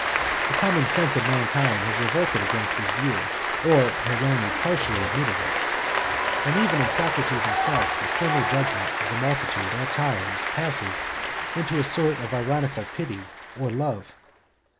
The common sense of mankind has revolted against this view, or has only partially admitted it. And even in Socrates himself the sterner judgement of the multitude at times passes into a sort of ironical pity or love.